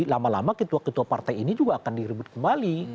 lama lama ketua ketua partai ini juga akan diribut kembali